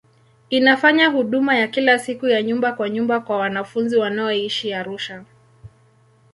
Inafanya huduma ya kila siku ya nyumba kwa nyumba kwa wanafunzi wanaoishi Arusha.